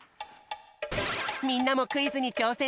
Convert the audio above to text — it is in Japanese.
みんなもクイズにちょうせんしてみよう！